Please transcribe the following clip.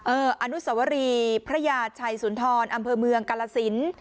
อนุสวรีพระยาชัยสุนทรอำเภอเมืองกาลสิน